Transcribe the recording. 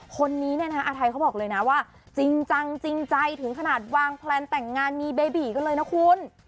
คนนี้เนี่ยนะอาทัยเขาบอกเลยนะว่าจริงจังจริงใจถึงขนาดวางแพลนแต่งงานมีเบบีกันเลยนะคุณ